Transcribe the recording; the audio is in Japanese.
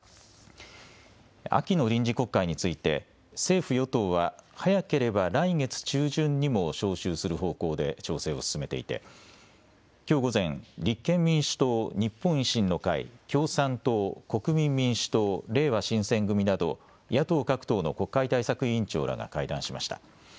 秋の臨時国会について政府与党は早ければ来月中旬にも召集する方向で調整を進めていてきょう午前、立憲民主党、日本維新の会、共産党、国民民主党、れいわ新選組など野党各党の国会対策委員長らが会談しました。